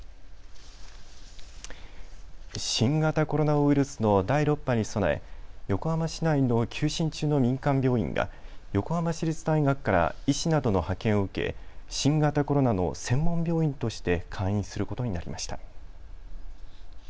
新型コロナウイルスの第６波に備え横浜市内の休診中の民間病院が横浜市立大学から医師などの派遣を受け新型コロナの専門病院として開院することになりました。